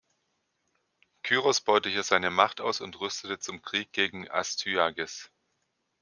Kyros baute hier seine Macht aus und rüstete zum Krieg gegen Astyages.